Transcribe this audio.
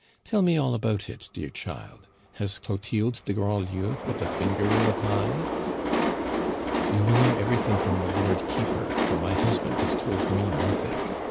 "Tell me all about it, dear child. Has Clotilde de Grandlieu put a finger in the pie?" "You will know everything from the Lord Keeper, for my husband has told me nothing.